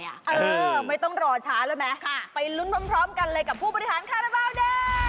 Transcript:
เออไม่ต้องรอช้านะแมมไปลุ้นพร้อมกันเลยกับผู้บริษันข้าบาดได้